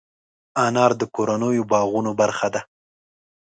انار د کورنیو باغونو برخه ده.